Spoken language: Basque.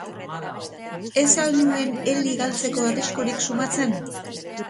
Ez al nuen Eli galtzeko arriskurik sumatzen?